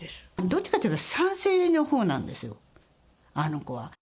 どっちかっていえば賛成のほうなんですよ、あの子は。